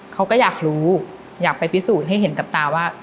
เขาก็อยากรู้อยากไปพิสูจน์ให้เห็นกับตาว่า